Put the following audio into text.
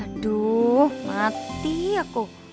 aduh mati aku